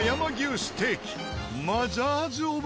ステーキ